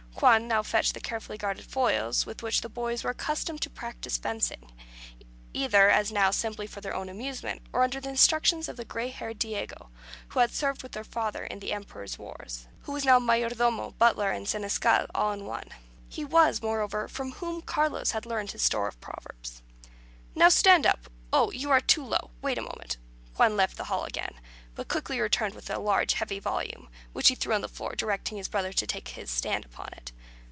Juan now fetched the carefully guarded foils with which the boys were accustomed to practise fencing; either, as now, simply for their own amusement, or under the instructions of the gray haired Diego, who had served with their father in the Emperor's wars, and was now mayor domo, butler, and seneschal, all in one. He it was, moreover, from whom Carlos had learned his store of proverbs. "Now stand up. Oh, you are too low; wait a moment." Juan left the hall again, but quickly returned with a large heavy volume, which he threw on the floor, directing his brother to take his stand upon it.